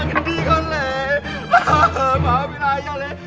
mereka teman teman pauly